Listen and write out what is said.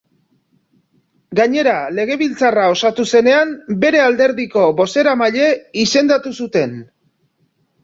Gainera, legebiltzarra osatu zenean, bere alderdiko bozeramaile izendatu zuten.